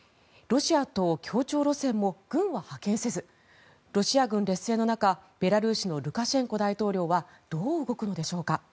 ロシアと協調路線も軍は派遣せずロシア軍劣勢の中、ベラルーシのルカシェンコ大統領はどう動くのでしょうか。